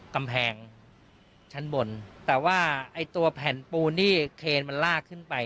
กำแพงชั้นบนแต่ว่าไอ้ตัวแผ่นปูนนี่เคนมันลากขึ้นไป